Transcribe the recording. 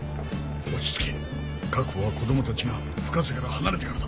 落ち着け確保は子供たちが深瀬から離れてからだ。